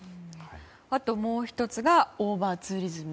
あと、もう１つがオーバーツーリズム。